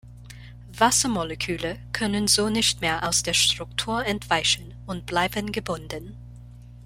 Wassermoleküle können so nicht mehr aus der Struktur entweichen und bleiben gebunden.